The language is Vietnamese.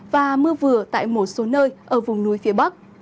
và mưa vừa tại một số nơi ở vùng núi phía bắc